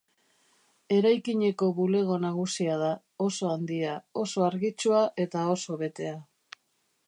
Eraikineko bulego nagusia da, oso handia, oso argitsua eta oso betea.